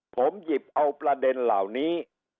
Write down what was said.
ผมหยิบเอาประเด็นเหล่านี้